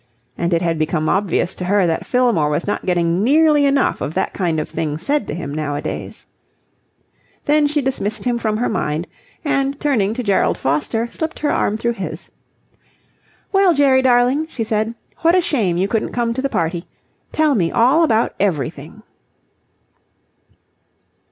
And it had become obvious to her that Fillmore was not getting nearly enough of that kind of thing said to him nowadays. Then she dismissed him from her mind and turning to Gerald Foster, slipped her arm through his. "Well, Jerry, darling," she said. "What a shame you couldn't come to the party. Tell me all about everything."